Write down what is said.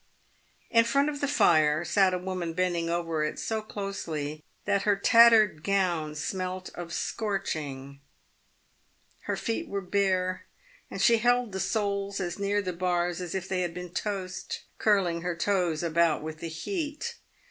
In front of the fire sat a woman bending over it so closely, that her tattered gown smelt of scorching. Her feet were bare, and she held the soles as near the bars as if they had been toast, curl ing her toes about with the heat.